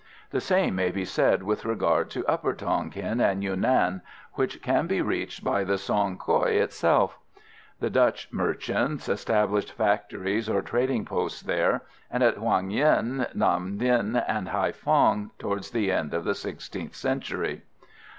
The same may be said with regard to upper Tonquin and Yunan, which can be reached by the Song Koï itself. The Dutch merchants established factories or trading posts here, and at Hung Yen, Nam Dinh and Haïphong, towards the end of the sixteenth century.